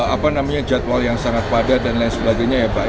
apa namanya jadwal yang sangat padat dan lain sebagainya ya pak